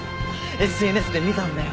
ＳＮＳで見たんだよ。